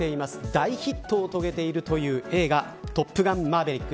大ヒットを遂げているという映画トップガンマーヴェリック